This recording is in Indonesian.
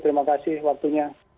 terima kasih waktunya